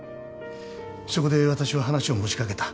そこで私は話を持ち掛けた。